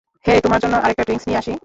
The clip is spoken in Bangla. হেই তোমার জন্য আরেকটা ড্রিংক্স নিয়ে আসি।